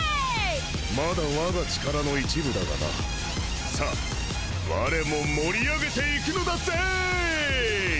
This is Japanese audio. まだわが力の一部だがなさぁわれも盛り上げていくのだぜぇぇいっ！